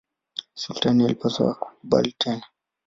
Sultani alipaswa kukubali tena.